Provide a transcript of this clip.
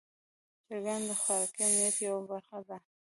چرګان د خوراکي امنیت یوه برخه دي.